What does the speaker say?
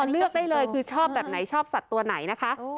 เลือกได้เลยคือชอบแบบไหนชอบสัตว์ตัวไหนนะคะ